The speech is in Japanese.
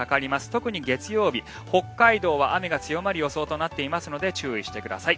特に月曜日、北海道は雨が強まる予想となっていますので注意してください。